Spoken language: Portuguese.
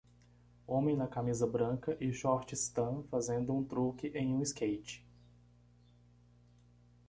Homem na camisa branca e shorts tan fazendo um truque em um skate.